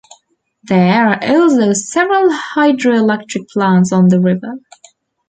There are also several hydroelectric plants on the river.